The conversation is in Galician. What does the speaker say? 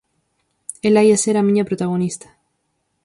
Ela ía ser a miña protagonista.